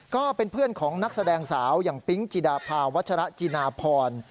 ก็เป็นเพื่อนของนักแสดงสาวอย่างปิ๊งจิดาภาวัชระจินาพร